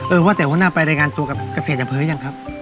ว่าแต่หัวหน้าไปรายงานตัวกับเกษตรอย่างเผลอยังครับ